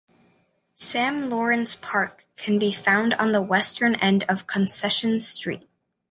"Sam Lawrence Park" can be found on the western-end of Concession Street.